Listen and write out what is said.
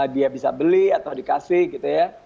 dia bisa beli atau dikasih gitu ya